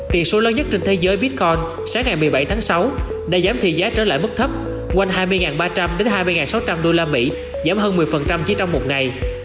tỷ số lớn nhất trên thế giới bitcon sáng ngày một mươi bảy tháng sáu đã giảm thị giá trở lại mức thấp quanh hai mươi ba trăm linh hai mươi sáu trăm linh usd giảm hơn một mươi chỉ trong một ngày